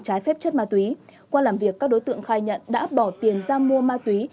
trái phép chất ma túy qua làm việc các đối tượng khai nhận đã bỏ tiền ra mua ma túy